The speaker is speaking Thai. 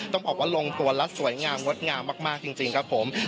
ต้องบอกว่าลงตัวและสวยงามงดงามมากจริงครับผม